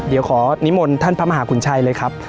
เดี๋ยวขอนิมนต์ท่านพระมหาขุนชัยเลยครับ